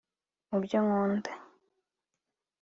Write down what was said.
mubyo nkunda